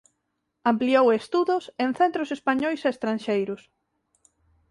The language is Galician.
Ampliou estudos en centros españois e estranxeiros.